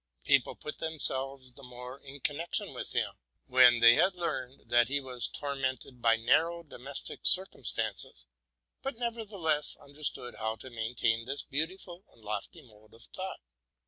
People put themselves the more in connection with him, when they had learned that he was tormented by narrow domestic cireum stances, but nevertheless understood how to maintain this beautiful and lofty mode of thought.